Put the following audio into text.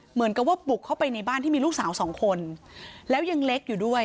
เหมือนกับว่าบุกเข้าไปในบ้านที่มีลูกสาวสองคนแล้วยังเล็กอยู่ด้วย